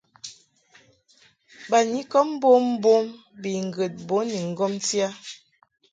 Banyikɔb mbommbom bi ŋgəd bun ni ŋgɔmti a.